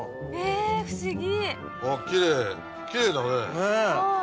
え不思議。